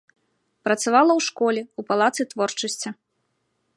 Працавала ў школе, у палацы творчасці.